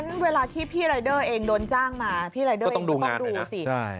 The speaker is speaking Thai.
เวลาที่พี่รายเดอร์เองโดนจ้างมาพี่รายเดอร์เองก็ต้องดูสิ